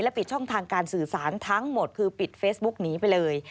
ปิดช่องทางการสื่อสารทั้งหมดคือปิดเฟซบุ๊กหนีไปเลย